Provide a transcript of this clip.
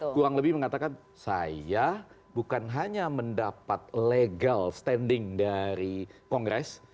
kurang lebih mengatakan saya bukan hanya mendapat legal standing dari kongres